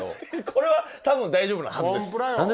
これは多分大丈夫なはずです